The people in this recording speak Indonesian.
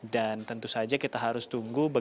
dan tentu saja kita harus mencari keputusan baru